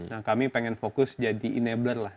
nah kami pengen fokus jadi enabler lah